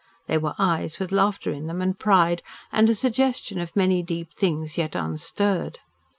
They were eyes with laughter in them and pride, and a suggestion of many deep things yet unstirred.